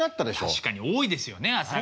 確かに多いですよね朝方。